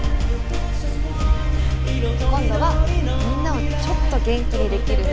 今度はみんなをちょっと元気にできる